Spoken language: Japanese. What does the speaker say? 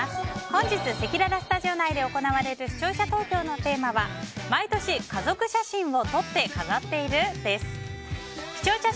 本日、せきららスタジオ内で行われる視聴者投票のテーマは毎年、家族写真を撮って飾っている？です。